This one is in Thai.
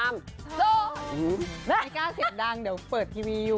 ไม่กล้าเสียงดังเดี๋ยวเปิดทีวีอยู่